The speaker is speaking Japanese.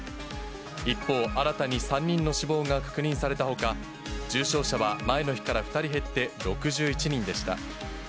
一方、新たに３人の死亡が確認されたほか、重症者は前の日から２人減って６１人でした。